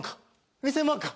２０００万か？